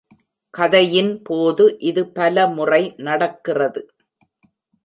கதையின் போது இது பல முறை நடக்கிறது.